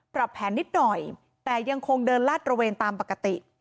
แผนนิดหน่อยแต่ยังคงเดินลาดระเวนตามปกติ